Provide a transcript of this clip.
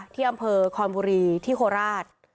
ที่อำเภอคอนบุรีที่โคราช